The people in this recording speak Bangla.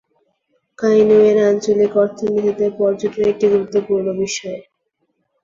কাইনুয়ের আঞ্চলিক অর্থনীতিতে পর্যটন একটি গুরুত্বপূর্ণ বিষয়।